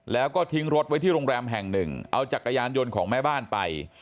แล้วก็ทิ้งรถไว้ที่โรงแรมแห่งหนึ่งเอาจักรยานยนต์ของแม่บ้านไป